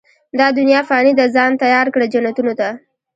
دا دنيا فاني ده، ځان تيار کړه، جنتونو ته